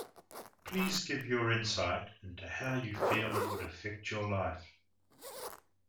Please give your insight into how you feel it would affect your life.